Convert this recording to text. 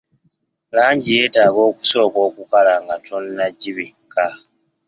Langi yeetaaga okusooka okukala nga tonnagibikka.